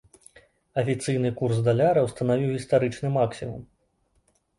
Афіцыйны курс даляра ўстанавіў гістарычны максімум.